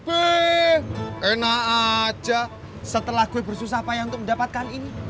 eh enak aja setelah gue bersusah payah untuk mendapatkan ini